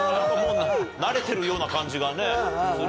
慣れてるような感じがするけど。